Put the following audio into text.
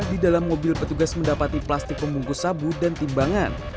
di dalam mobil petugas mendapati plastik pembungkus sabu dan timbangan